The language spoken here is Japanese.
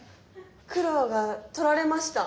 黒が取られました。